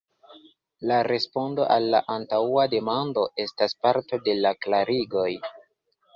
La respondo al la antaŭa demando estas parto de la klarigoj.